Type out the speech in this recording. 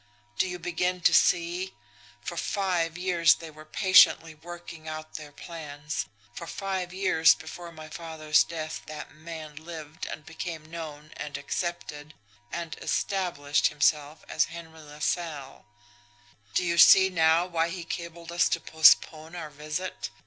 Do you begin to see! For five years they were patiently working out their plans, for five years before my father's death that man lived and became known and accepted, and ESTABLISHED himself as Henry LaSalle. Do you see now why he cabled us to postpone our visit?